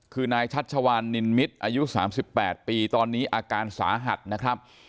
คือนายชัชชวลนิลมิสอายุสามสิบแปดปีตอนนี้อาการสาหัสนะครับ